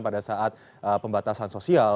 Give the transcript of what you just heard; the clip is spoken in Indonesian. pada saat pembatasan sosial